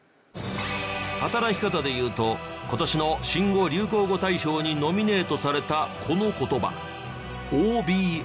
働き方でいうと今年の新語・流行語大賞にノミネートされたこの言葉。